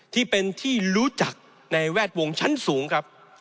ที่เป็นที่รู้จักในแวดวงชั้นสูงครับ